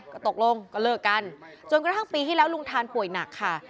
ก็ตกลงก็เลิกกันจนกระทั่งปีที่แล้วลุงทานป่วยหนักค่ะ